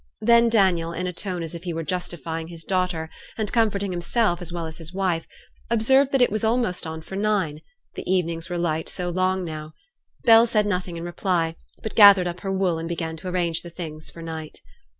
Then Daniel, in a tone as if he were justifying his daughter, and comforting himself as well as his wife, observed that it was almost on for nine; the evenings were light so long now. Bell said nothing in reply, but gathered up her wool, and began to arrange the things for night.